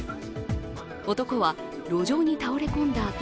男は路上に倒れ込んだあと